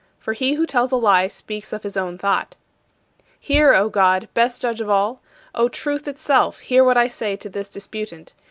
For he who tells a lie speaks of his own thought. 35. Hear, O God, best judge of all! O Truth itself, hear what I say to this disputant.